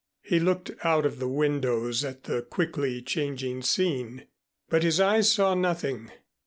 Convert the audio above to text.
He looked out of the windows at the quickly changing scene, but his eyes saw nothing.